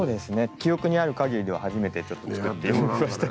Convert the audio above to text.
記憶にあるかぎりでは初めてちょっと作ってみましたけれども。